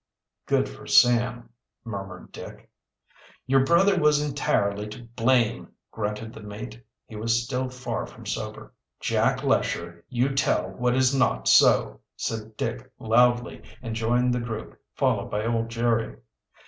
"Good for Sam," murmured Dick. "Your brother was entirely to blame," grunted the mate. He was still far from sober. "Jack Lesher, you tell what is not so," said Dick loudly, and joined the group, followed by old Jerry.